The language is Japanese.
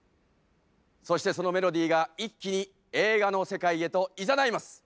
そしてそのメロディーが一気に映画の世界へといざないます！